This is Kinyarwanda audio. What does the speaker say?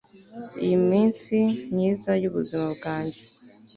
iyi ni iminsi myiza yubuzima bwanjye